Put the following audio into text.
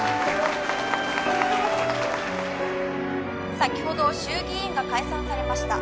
先ほど衆議院が解散されました。